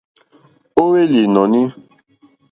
Ó hwélì ìnɔ̀ní.